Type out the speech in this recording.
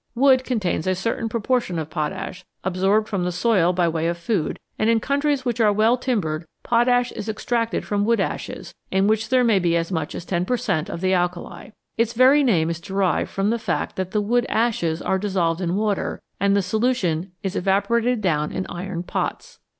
Wood contains a certain proportion of potash, absorbed from the soil by way of food, and in countries which are well timbered potash is extracted from wood ashes, in which there may be as much as 10 per cent, of the alkali. Its very name is derived from the fact that the wood ashes are dissolved in water and the solution is evaporated down in iron pots.